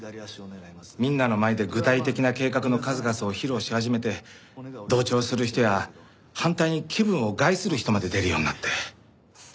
みんなの前で具体的な計画の数々を披露し始めて同調する人や反対に気分を害する人まで出るようになって。